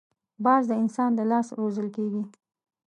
باز د انسان له لاس روزل کېږي